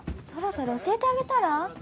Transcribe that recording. そろそろ教えてあげたら？